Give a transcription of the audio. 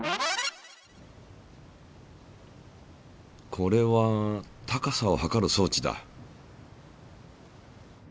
これは高さを測る装置だ。